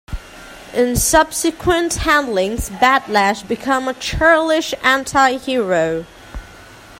In subsequent handlings Bat Lash became a "churlish" anti-hero.